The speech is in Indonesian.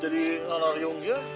jadi lara lariung dia